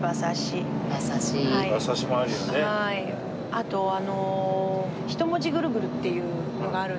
あとあのひともじぐるぐるっていうのがあるんですよ。